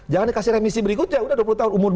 jangan dikasih remisi berikutnya udah dua puluh tahun